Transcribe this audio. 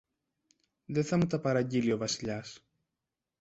Δε θα μου τα παραγγείλει ο Βασιλιάς